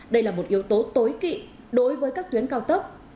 đây là một yếu tố tối kỵ đối với các tuyến cao tốc